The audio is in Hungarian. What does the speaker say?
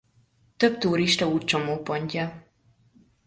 Több turistaút csomópontja.